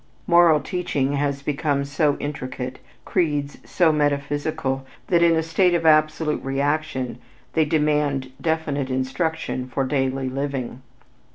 Moral teaching has become so intricate, creeds so metaphysical, that in a state of absolute reaction they demand definite instruction for daily living.